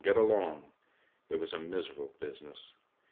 get along! It was a miserable business.